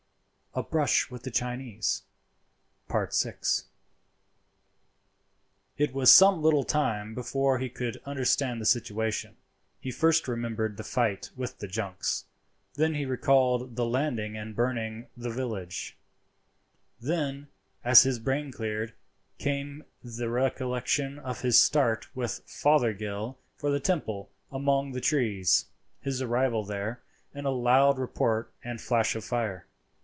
A BRUSH WITH THE CHINESE.—VI. It was some little time before he could understand the situation. He first remembered the fight with the junks, then he recalled the landing and burning the village; then, as his brain cleared, came the recollection of his start with Fothergill for the temple among the trees, his arrival there, and a loud report and flash of fire.